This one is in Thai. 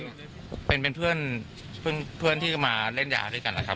อ๋อไม่เป็นเป็นเพื่อนเพื่อนเพื่อนที่มาเล่นหยาด้วยกันแหละครับ